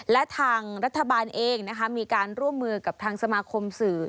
และทางรัฐบาลเองนะคะมีการร่วมมือกับทางสมาคมสื่อ